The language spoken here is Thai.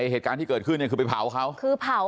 เหตุการณ์ที่เกิดขึ้นคือไปเผาเขา